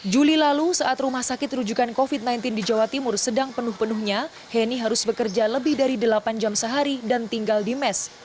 juli lalu saat rumah sakit rujukan covid sembilan belas di jawa timur sedang penuh penuhnya henny harus bekerja lebih dari delapan jam sehari dan tinggal di mes